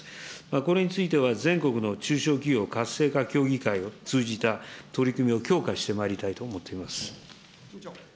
これについては全国の中小企業活性化協議会を通じた取り組みを強化してまいりたいと思っております。